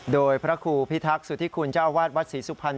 โดยพระครูพิธักษ์สุธิคุณเจ้าวาดวัดศรีสุภัณฑ์